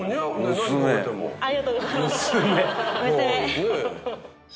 ありがとうございます娘。